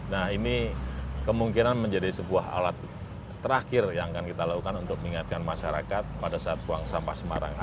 nah ini kemungkinan menjadi sebuah alat terakhir yang akan kita lakukan untuk mengingatkan masyarakat pada saat buang sampah semarang